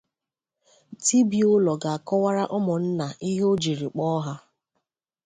di bi ụlọ ga-akọwara ụmụnna ihe o jiri kpọ ha